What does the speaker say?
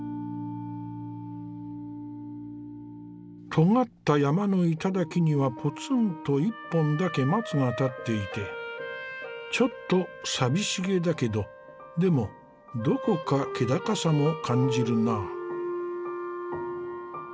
とがった山の頂にはポツンと１本だけ松が立っていてちょっと寂しげだけどでもどこか気高さも感じるなぁ。